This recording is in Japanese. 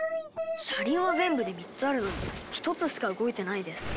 車輪は全部で３つあるのに１つしか動いてないです。